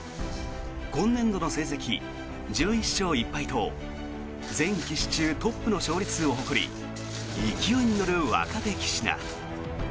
今年度の成績１１勝１敗と全棋士中トップの勝利数を誇り勢いに乗る若手棋士だ。